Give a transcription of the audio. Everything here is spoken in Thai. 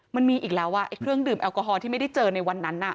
มันมีอีกแล้วเครื่องดื่มแอลกอฮอลที่ไม่ได้เจอในวันนั้น